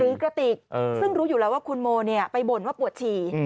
กระติกซึ่งรู้อยู่แล้วว่าคุณโมไปบ่นว่าปวดฉี่